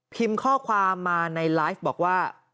ข้อความมาในไลฟ์บอกว่า